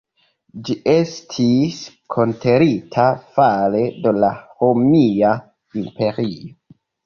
Ĝi estis konkerita fare de la Romia Imperio.